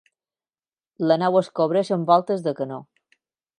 La nau es cobreix amb voltes de canó.